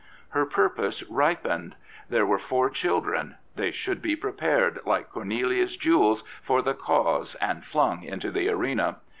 Her purpose ripened. There were four children. They should be prepared, like Cornelia's " jewels," for the cause and flung into the arena.